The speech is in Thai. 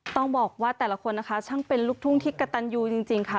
ต้องบอกว่าแต่ละคนนะคะช่างเป็นลูกทุ่งที่กระตันยูจริงค่ะ